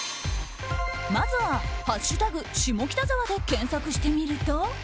まずは、「＃下北沢」で検索してみると。